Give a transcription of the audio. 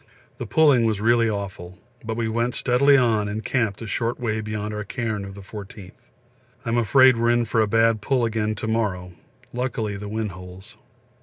The pulling was really awful, but we went steadily on and camped a short way beyond our cairn of the 14th. I'm afraid we are in for a bad pull again to morrow, luckily the wind holds.